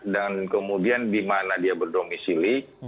dan kemudian di mana dia berdomisili